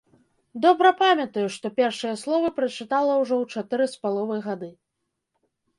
Добра памятаю, што першыя словы прачытала ўжо ў чатыры з паловай гады.